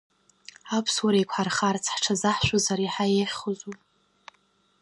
Аԥсуара еиқәҳархарц ҳҽазаҳшәозар иаҳа иеиӷьхозу?